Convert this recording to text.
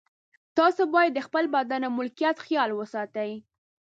تاسو باید د خپل بدن او ملکیت خیال وساتئ.